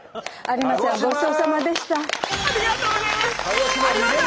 ありがとうございます！